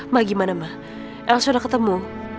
ma gimana ma elsa udah ketemu